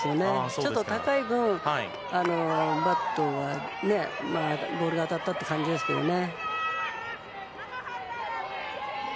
ちょっと高い分バットにボールが当たったって感じですけどね。